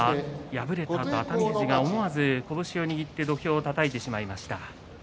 敗れた熱海富士が思わず拳を握って土俵をたたいてしまいました。